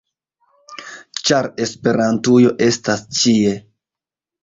ĉar Esperantujo estas ĉie!